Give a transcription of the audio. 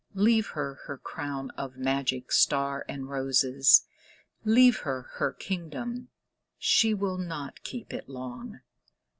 . Leave her her crown of magic stars and roses, Leave her her kingdom—she will not keep it long!